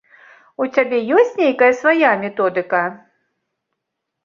У цябе ёсць нейкая свая методыка?